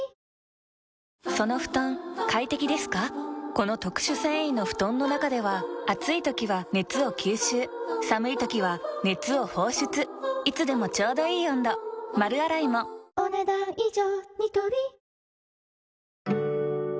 この特殊繊維の布団の中では暑い時は熱を吸収寒い時は熱を放出いつでもちょうどいい温度丸洗いもお、ねだん以上。